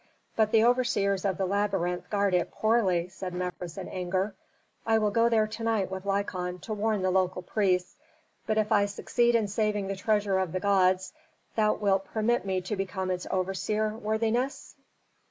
"But the overseers of the labyrinth guard it poorly!" said Mefres in anger. "I will go there to night with Lykon to warn the local priests. But if I succeed in saving the treasure of the gods, thou wilt permit me to become its overseer, worthiness?"